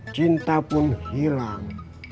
cinta pun hilang